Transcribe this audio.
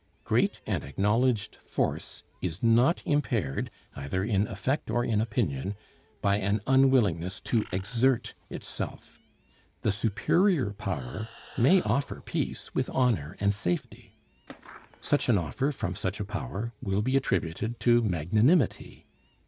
Great and acknowledged force is not impaired, either in effect or in opinion, by an unwillingness to exert itself. The superior power may offer peace with honor and safety. Such an offer from such a power will be attributed to magnanimity.